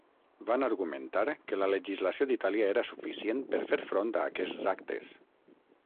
Van argumentar que la legislació d'Itàlia era suficient per fer front a aquests actes.